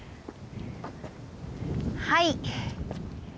はい。